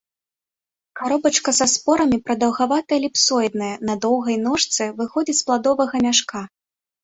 Каробачка са спорамі прадаўгавата-эліпсоідная, на доўгай ножцы, выходзіць з пладовага мяшка.